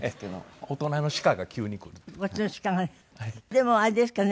でもあれですかね。